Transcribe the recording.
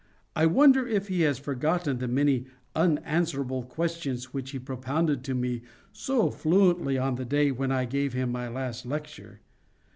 I wonder if he has forgotten the many unanswerable questions which he propounded to me so fluently on the day when I gave him my last lecture?